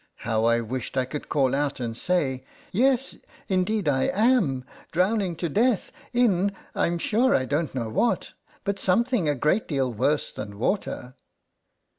How I wished I could call out and say, " Yes, indeed, I am; drowning to death, in I 'm sure I don't know what, but something a great deal worse than water